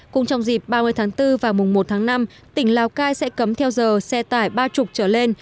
cùng trong dịp ba mươi tháng bốn và mùng một tháng năm tỉnh lào cai sẽ cấm theo giờ xe tải ba mươi trở lên